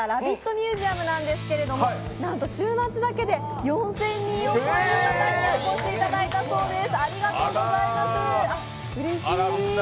ミュージアムですけどなんと週末だけで４０００人を超える方にお越しいただいたそうです。